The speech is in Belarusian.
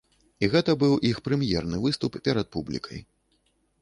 І гэта быў іх прэм'ерны выступ перад публікай.